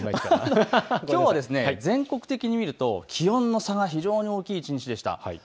きょうは全国的に見ると気温の差が非常に大きい一日でした。